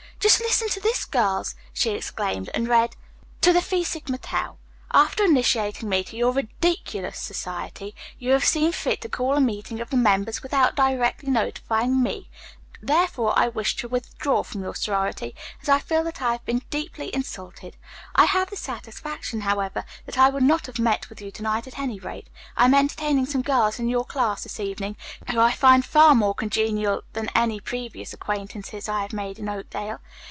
"Just listen to this, girls!" she exclaimed, and read: "'TO THE PHI SIGMA TAU: "'After initiating me into your ridiculous society, you have seen fit to call a meeting of the members without directly notifying me, therefore I wish to withdraw from your sorority, as I feel that I have been deeply insulted. I have this satisfaction, however, that I would not have met with you to night, at any rate. I am entertaining some girls in your class this evening, whom I find far more congenial than any previous acquaintances I have made in Oakdale.